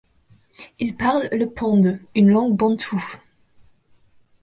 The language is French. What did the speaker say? Ils parlent le pende, une langue bantoue.